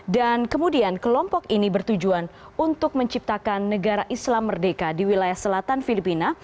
dan kemudian kelompok ini bertujuan untuk menciptakan negara islam merdeka di wilayah selatan filipina